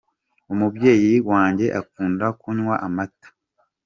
Umubyeyi wanjye akunda kunywa amata.